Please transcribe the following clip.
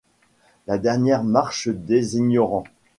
La Dernière Marche Des Ignorants.